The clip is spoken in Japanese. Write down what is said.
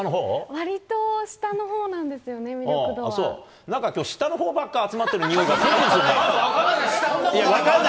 わりと下のほうなんですよね、そう、なんかきょう下のほうばっか集まってるにおいがぷんぷんするな。